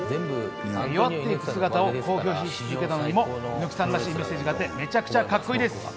弱っていく姿を公表し続けたのにも猪木さんらしいメッセージがあって、めちゃくちゃカッコいいです。